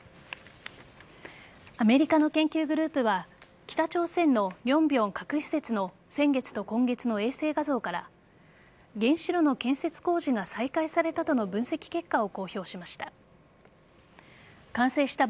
アメリカの研究グループは北朝鮮のニョンビョン核施設の先月と今月の衛星画像から原子炉の建設工事が再開されたとの分析結果を公表しました。